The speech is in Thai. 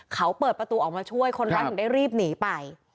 เขาเปิดประตูออกมาช่วยคนร้ายถึงได้รีบหนีไป